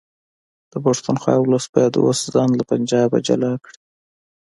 د پښتونخوا ولس باید اوس ځان له پنجابه جلا کړي